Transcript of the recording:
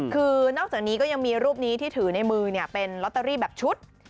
คือนอกจากนี้ก็ยังมีรูปนี้ที่ถือในมือเป็นลอตเตอรี่แบบชุด